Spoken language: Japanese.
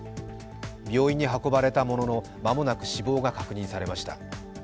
病院に運ばれたものの間もなく死亡が確認されました。